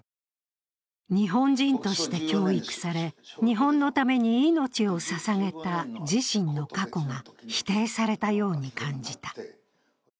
日本人として教育され、日本のために命をささげた自身の過去が否定されたように感じた。